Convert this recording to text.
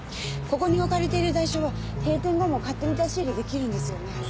ここに置かれている台車は閉店後も勝手に出し入れできるんですよね？